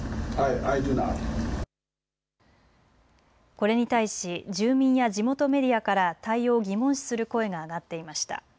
これに対し住民や地元メディアから対応を疑問視する声が上がっていました。